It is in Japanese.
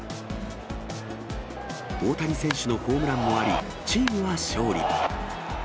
大谷選手のホームランもあり、チームは勝利。